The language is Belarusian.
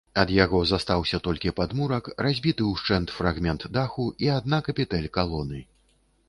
Ад яго застаўся толькі падмурак, разбіты ўшчэнт фрагмент даху і адна капітэль калоны.